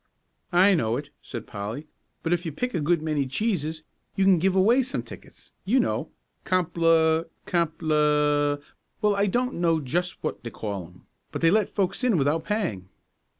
"I know it," said Polly; "but if you pick a good many cheeses, you can give away some tickets, you know comple comple well, I don't just know what they call 'em. But they let folks in without paying."